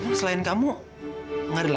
emang selain kamu emang selain kamu